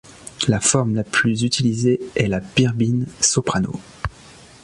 La forme la plus utilisée est la birbyne soprano.